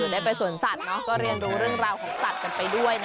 ได้ไปสวนสัตว์ก็เรียนรู้เรื่องราวของสัตว์กันไปด้วยนะ